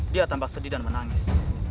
dia tambah sedih dan menangis